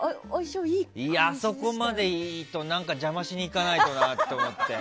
あそこまでいいとちょっと邪魔しにいかないとなと思って。